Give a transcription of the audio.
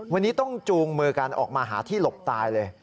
วันนี้ต้องจูงมือกันออกมาหาที่หลบตายเลย